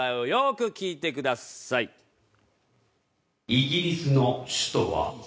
イギリスの首都は？